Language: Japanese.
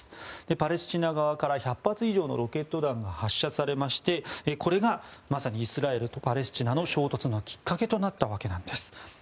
パレスチナ側から１００発以上のロケット弾が発射されましてこれがまさにイスラエルとパレスチナの衝突のきっかけとなったわけなんです。